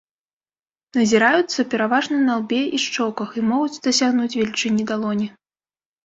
Назіраюцца пераважна на лбе і шчоках і могуць дасягнуць велічыні далоні.